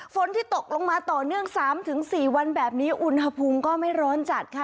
ฝนที่ตกลงมาต่อเนื่อง๓๔วันแบบนี้อุณหภูมิก็ไม่ร้อนจัดค่ะ